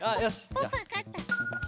ポッポわかった。